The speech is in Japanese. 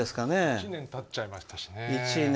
１年たっちゃいましたしね。